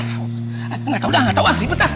enggak tau dah enggak tau ah ribet dah